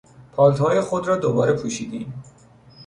پالتوهای خود را دوباره پوشیدیم.